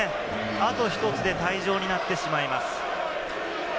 あと１つで退場になってしまいます。